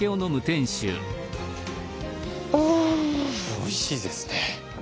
おいしいですね。